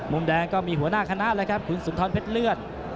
มุมแดงก็มีหัวหน้าคณะเลยครับคุณสุนทรเพชรเลือด